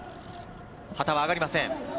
旗が上がりません。